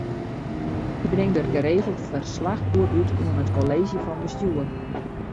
Hy bringt dêr geregeld ferslach oer út oan it Kolleezje fan Bestjoer.